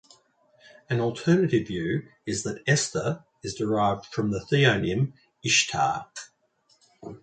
An alternative view is that "Esther" is derived from the theonym Ishtar.